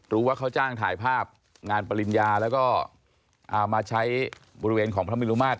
รู้ว่าเขาจ้างถ่ายภาพงานปริญญาแล้วก็มาใช้บริเวณของพระมิลุมาตร